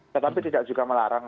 tetapi tidak juga melarang